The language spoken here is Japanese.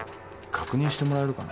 確認してもらえるかな？